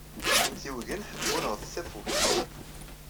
Imtiwgen ḥebbun ɣef tafukt.